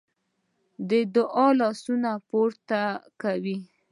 د دعا لاسونه پورته کوي.